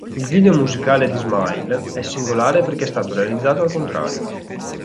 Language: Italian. Il video musicale di "Smile" è singolare perché è stato realizzato al contrario.